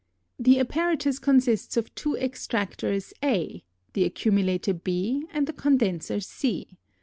The apparatus consists of two extractors A A, the accumulator B, and the condenser C.